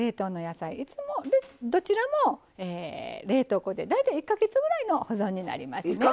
どちらも冷凍庫で大体１か月ぐらいの保存になりますね。